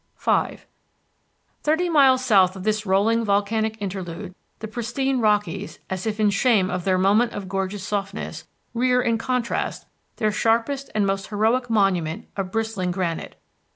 V Thirty miles south of this rolling volcanic interlude the pristine Rockies, as if in shame of their moment of gorgeous softness, rear in contrast their sharpest and most heroic monument of bristling granite.